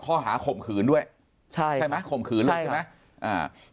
ข้อหาข่มขืนด้วยใช่ใช่ไหมข่มขืนลูกใช่ไหมอ่า